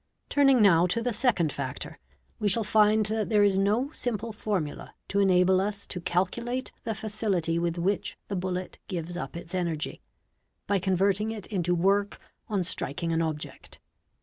Turning now to the second factor, we shall find that there is no simple formula to enable us to calculate the facility with which the bullet gives up its energy, by converting it into work on striking an object.